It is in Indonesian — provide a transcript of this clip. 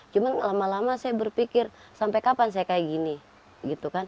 cuman lama lama saya berpikir sampai kapan saya kayak gini